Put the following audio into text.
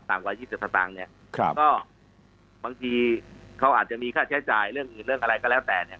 กว่า๒๗สตางค์เนี่ยก็บางทีเขาอาจจะมีค่าใช้จ่ายเรื่องอื่นเรื่องอะไรก็แล้วแต่เนี่ย